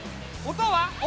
音は？